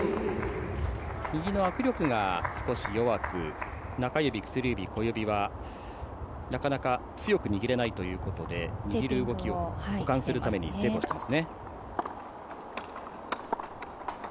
右の握力が少し弱く中指、薬指、小指はなかなか強く握れないということで握る動きを補完するためにテープをしています。